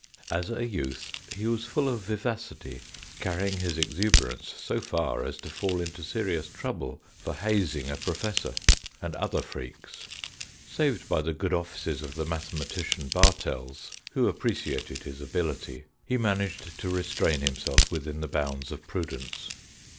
As a youth he was full of vivacity, carrying his exuberance so far as to fall into serious trouble for hazing a professor, and other freaks. Saved by the good offices of the mathematician Bartels, who appreciated his ability, he managed to restrain himself within the bounds of prudence.